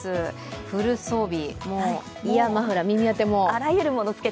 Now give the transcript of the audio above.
フル装備、イヤーマフラー、耳当ても。